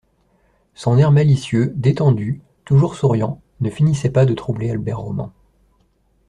Son air malicieux, détendu, toujours souriant, ne finissait pas de troubler Albert Roman.